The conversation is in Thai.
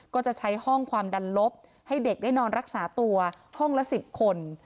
ก็จะใช้ห้องความดันลบให้เด็กได้นอนรักษาตัวห้องละ๑๐คน